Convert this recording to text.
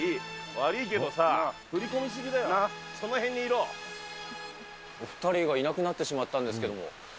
悪いけどさ、振り込みすもう、２人がいなくなってしまったんですけども。